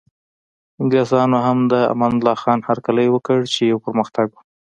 انګلیسانو هم د امان الله خان هرکلی وکړ چې یو پرمختګ و.